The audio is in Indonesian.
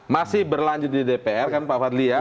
masih berlanjut di dpr kan pak fadli ya